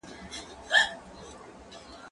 ليک ولوله،